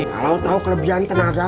kalau tau kelebihan tenaga